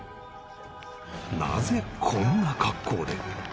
なぜこんな格好で？